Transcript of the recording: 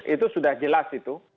itu sudah jelas itu